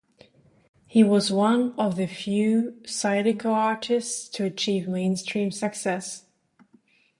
He was one of the few zydeco artists to achieve mainstream success.